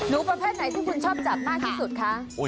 ประเภทไหนที่คุณชอบจับมากที่สุดคะ